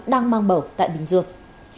đang mang bầu tại bình dương